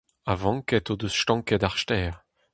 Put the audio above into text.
Avanked o deus stanket ar stêr.